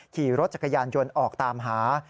ขี่รถจักรยานยนต์ออกตามหา